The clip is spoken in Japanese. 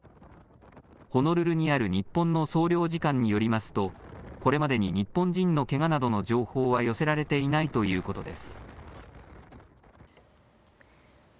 ホノルルにある日本の総領事館によりますとこれまでに日本人のけがなどの情報は寄せられていないということです。